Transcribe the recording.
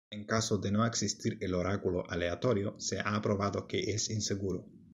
En caso de no existir el oráculo aleatorio se ha probado que es inseguro.